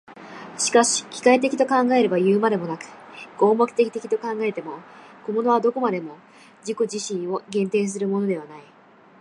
しかし機械的と考えればいうまでもなく、合目的的と考えても、個物はどこまでも自己自身を限定するものではない。